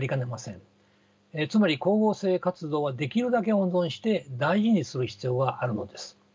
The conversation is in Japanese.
つまり光合成活動はできるだけ温存して大事にする必要があるのです。